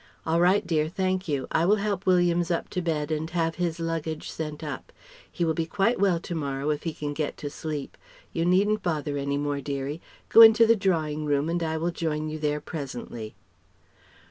"All right, dear; thank you. I will help Williams up to bed and have his luggage sent up. He will be quite well to morrow if he can get to sleep. You needn't bother any more, dearie. Go into the drawing room and I will join you there presently."